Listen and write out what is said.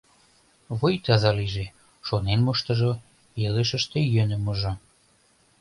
Вуй таза лийже, шонен моштыжо, илышыште йӧным мужо.